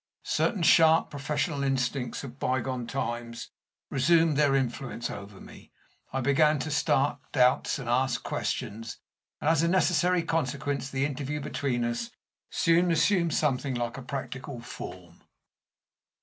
Certain sharp professional instincts of bygone times resumed their influence over me; I began to start doubts and ask questions; and as a necessary consequence the interview between us soon assumed something like a practical form.